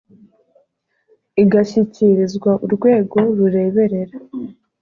igashyikirizwa urwego rureberera